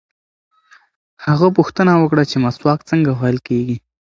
هغه پوښتنه وکړه چې مسواک څنګه وهل کېږي.